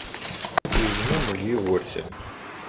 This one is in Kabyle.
Yezmumeg Yugurten.